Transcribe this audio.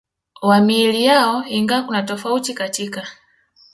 wa miili yao ingawa kuna tofauti katika